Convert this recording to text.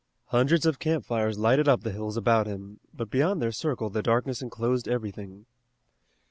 Hundreds of campfires lighted up the hills about him, but beyond their circle the darkness enclosed everything.